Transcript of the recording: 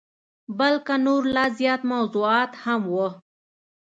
بلکه نور لا زیات موضوعات هم وه.